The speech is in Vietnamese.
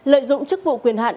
lợi dụng chức vụ quyền hạn